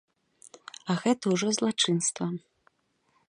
А гэта ўжо злачынства.